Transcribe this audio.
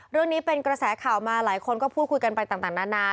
เรื่องนี้เป็นกระแสข่าวมาหลายคนก็พูดคุยกันไปต่างนานา